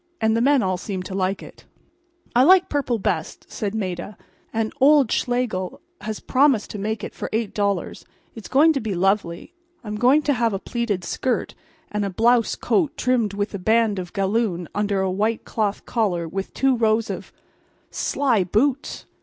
And the men all seem to like it." "I like purple best," said Maida. "And old Schlegel has promised to make it for $8. It's going to be lovely. I'm going to have a plaited skirt and a blouse coat trimmed with a band of galloon under a white cloth collar with two rows of—" "Sly boots!"